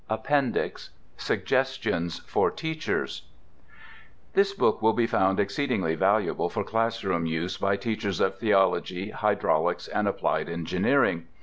APPENDIX SUGGESTIONS FOR TEACHERS This book will be found exceedingly valuable for classroom use by teachers of theology, hydraulics, and applied engineering.